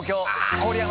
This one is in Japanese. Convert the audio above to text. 郡山。